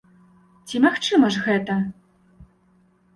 Ці магчыма ж гэта?